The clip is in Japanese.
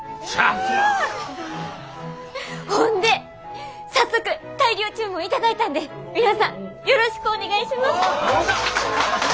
ほんで早速大量注文頂いたんで皆さんよろしくお願いします！